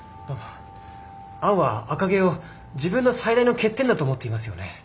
アンは赤毛を自分の最大の欠点だと思っていますよね。